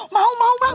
mau mau bang